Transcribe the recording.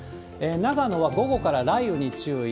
長野は午後から雷雨に注意。